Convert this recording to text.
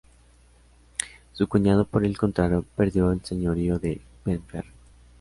Su cuñado por el contrario perdió el señorío de Benferri.